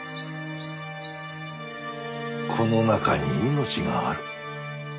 この中に命がある。